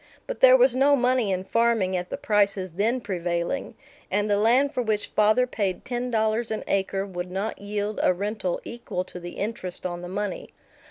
But there was no money in farming at the prices then prevailing, and the land for which father paid ten dollars an acre would not yield a rental equal to the interest on the money.